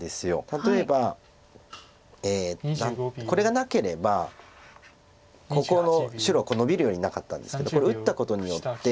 例えばこれがなければここの白はこうノビるよりなかったんですけどこれ打ったことによって。